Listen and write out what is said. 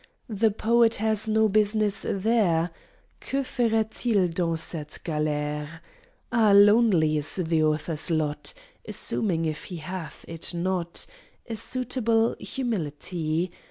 The Poet has no business there: Que ferait il dans cette galère? Ah, lonely is the Author's lot! Assuming, if he hath it not, A suitable humility.